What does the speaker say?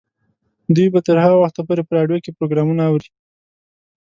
دوی به تر هغه وخته پورې په راډیو کې پروګرامونه اوري.